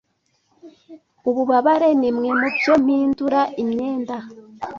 Ububabare nimwe mubyo mpindura imyenda,